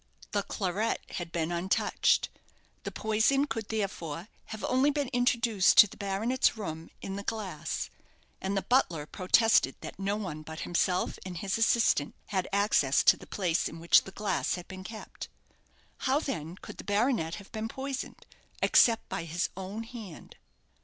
The claret had been untouched. The poison could, therefore, have only been introduced to the baronet's room in the glass; and the butler protested that no one but himself and his assistant had access to the place in which the glass had been kept. How, then, could the baronet have been poisoned, except by his own hand?